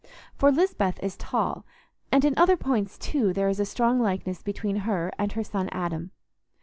For Lisbeth is tall, and in other points too there is a strong likeness between her and her son Adam.